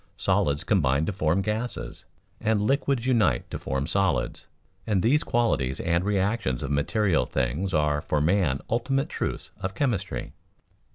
Solids combine to form gases, and liquids unite to form solids, and these qualities and reactions of material things are for man ultimate truths of chemistry.